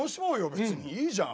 別にいいじゃん。